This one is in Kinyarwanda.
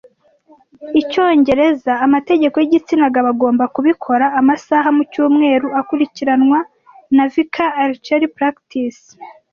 Icyongereza amategeko yigitsina gabo agomba kubikora amasaha mucyumweru akurikiranwa na vicar Archery Practice